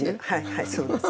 はいそうです。